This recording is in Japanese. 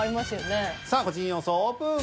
さあ個人予想オープン。